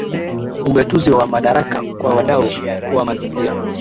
Ugatuzi wa madaraka kwa wadau wa mazingira